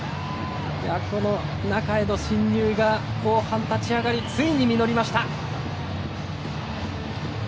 中への進入が後半、立ち上がりついに実りました。